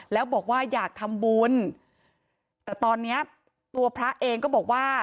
แล้วบอกว่าอยากทำบุญแต่ตอนเนี้ยตัวพระเองก็บอกว่า